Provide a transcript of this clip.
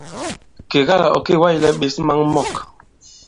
Kèga là ɔ̀ kê wa᷇slɛ ɓěs maŋ mɔ̂k.